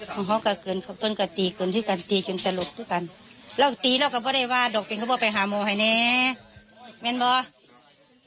ของเขาก็เกินของต้นก็ตีเกินที่กันตีจนจะหลบทุกคนแล้วตีแล้วก็ไม่ได้ว่าดอกเป็นเขาบอกไปหาโมไอเนแม่นบอก